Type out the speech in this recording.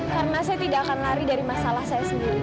karena saya tidak akan lari dari masalah saya sendiri